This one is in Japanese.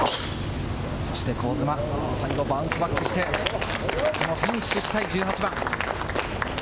そして香妻、最後、バウンスバックしてフィニッシュしたい１８番。